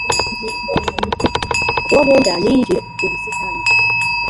Uwo nkunda niyinjire ubusitani,